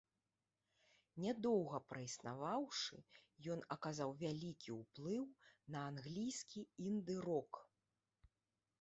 Нядоўга праіснаваўшы, ён аказаў вялікі ўплыў на англійскі інды-рок.